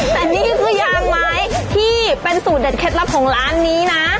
แต่นี่คือยางไม้ที่เป็นสูตรเด็ดเคล็ดลับของร้านนี้นะ